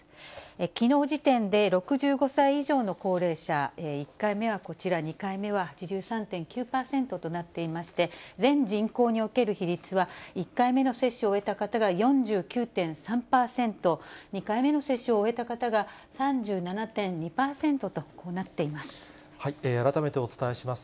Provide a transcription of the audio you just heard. きのう時点で６５歳以上の高齢者、１回目はこちら、２回目は８３．９％となっていまして、全人口における比率は、１回目の接種を終えた方が４９．３％、２回目の接種を終えた方が３７．２％と、こうなっています。